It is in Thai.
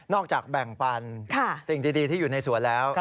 จากแบ่งปันสิ่งดีที่อยู่ในสวนแล้ว